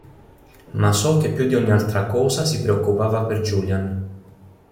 Ma so che più di ogni altra cosa si preoccupava per Julian.